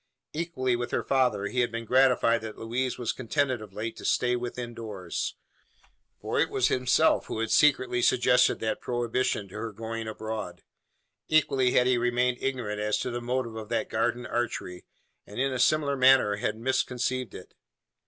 Equally with her father, he had been gratified that Louise was contented of late to stay within doors: for it was himself who had secretly suggested the prohibition to her going abroad. Equally had he remained ignorant as to the motive of that garden archery, and in a similar manner had misconceived it.